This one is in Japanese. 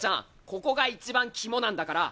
ここが一番肝なんだから！